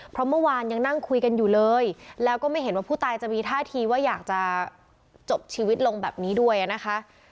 เพราะเมื่อวานยังนั่งคุยกันอยู่เลยแล้วก็ไม่เห็นว่าผู้ตายจะมีท่าทีว่าอยากจะจบชีวิตลงแบบนี้ด้วยนะคะ